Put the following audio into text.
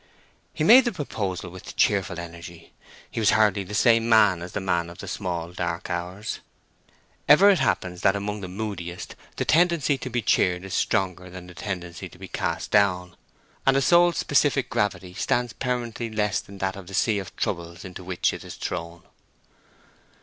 He made the proposal with cheerful energy; he was hardly the same man as the man of the small dark hours. Ever it happens that even among the moodiest the tendency to be cheered is stronger than the tendency to be cast down; and a soul's specific gravity stands permanently less than that of the sea of troubles into which it is thrown.